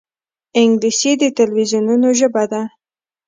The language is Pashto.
انګلیسي د تلویزونونو ژبه ده